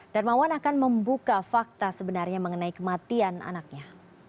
darmawan akan membuka fakta sebenarnya mengenai kematian anaknya